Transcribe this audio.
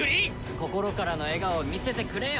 心からの笑顔を見せてくれよ！